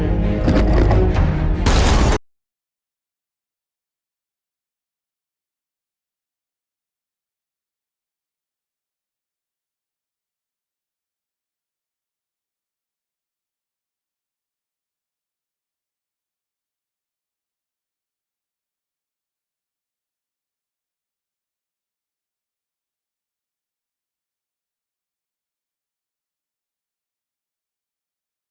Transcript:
หล่ำความตื่นกลัว